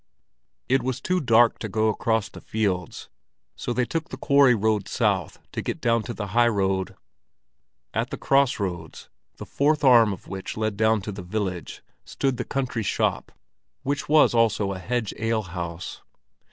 It was too dark to go across the fields, so they took the quarry road south to get down to the high road. At the cross roads, the fourth arm of which led down to the village, stood the country shop, which was also a hedge alehouse.